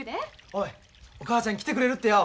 おいお母ちゃん来てくれるってよ。